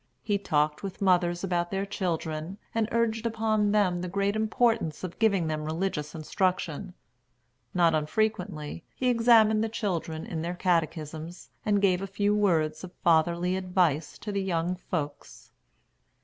He talked with mothers about their children, and urged upon them the great importance of giving them religious instruction. Not unfrequently he examined the children in their catechisms, and gave a few words of fatherly advice to the young folks.